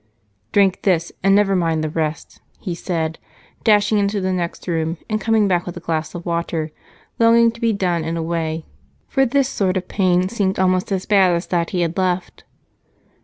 "Drink this and never mind the rest," he said, dashing into the next room and coming back with a glass of water, longing to be done and away, for this sort of pain seemed almost as bad as that he had left.